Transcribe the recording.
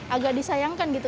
agak disayangkan gitu